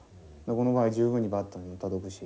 この場合十分にバットには届くし。